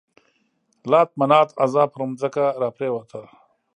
لات، منات، عزا پر ځمکه را پرېوتل.